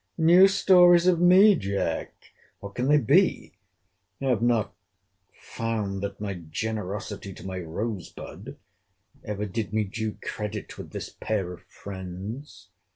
— New stories of me, Jack!—What can they be?—I have not found that my generosity to my Rose bud ever did me due credit with this pair of friends.